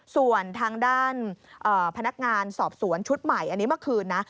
ส่วนทางด้านพนักงานสอบสวนชุดใหม่อันนี้เมื่อคืนนะ